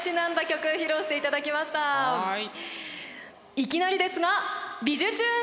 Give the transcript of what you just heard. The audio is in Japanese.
いきなりですが「びじゅチューン！」